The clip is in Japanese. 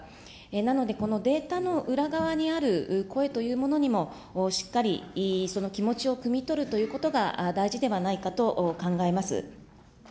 なので、このデータの裏側にある声というものにも、しっかりその気持ちをくみ取るということが大事ではないかと考えます。